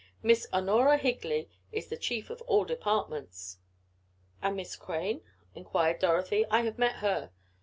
"Miss Honorah Higley is the chief of all departments." "And Miss Crane?" inquired Dorothy. "I have met her."